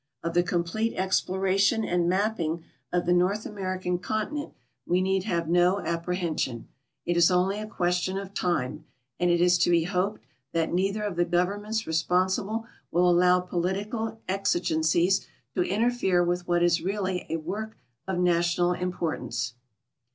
Of the complete exploration and mapping of the North American continent we need have no ap prehension ; it is only a question of time, and it is to be hoped that neither of the governments responsible will allow political THE UNMAPPED AREAS OX THE EARTH'S SURFACE 2ti\ exigencies to interfere witli what is really a work of nati(»iial importance.